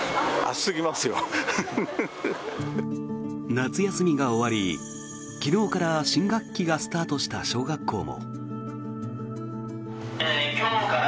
夏休みが終わり昨日から新学期がスタートした小学校も。